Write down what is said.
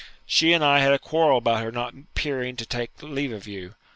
She and I had a quarrel about her not appearing to take leave of you.